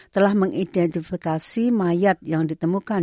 telah mengidentifikasi mayat yang ditemukan